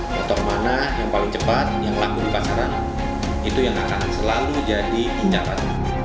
motor mana yang paling cepat yang langsung dikasaran itu yang akan selalu jadi inyarat